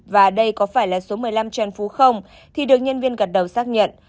và đây có phải là số một mươi năm trần phú không thì được nhân viên gật đầu xác nhận